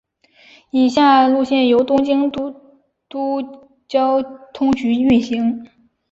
以下路线由东京都交通局运行。